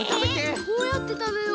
どうやってたべよう。